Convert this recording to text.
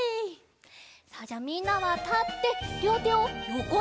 さあじゃあみんなはたってりょうてをよこにひろげます！